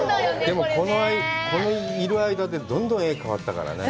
この色合いだけでどんどん絵が変わったからね。